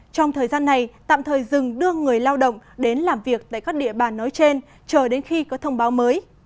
trong thời gian này tạm thời dừng đưa người lao động đến làm việc tại các địa bàn nói trên chờ đến khi có thông báo mới